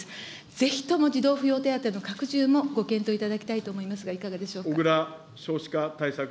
ぜひとも児童扶養手当の拡充もご検討いただきたいと思いますが、いかがでしょうか。